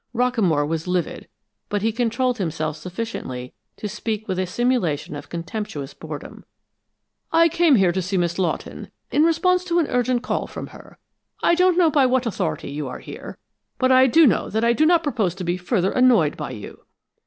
Rockamore was livid, but he controlled himself sufficiently to speak with a simulation of contemptuous boredom. "I came here to see Miss Lawton, in response to an urgent call from her; I don't know by what authority you are here, but I do know that I do not propose to be further annoyed by you!"